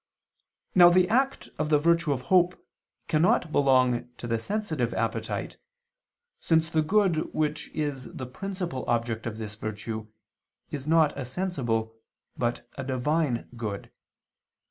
Now the act of the virtue of hope cannot belong to the sensitive appetite, since the good which is the principal object of this virtue, is not a sensible but a Divine good.